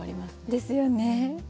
ですよね。